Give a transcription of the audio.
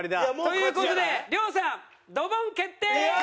という事で亮さんドボン決定！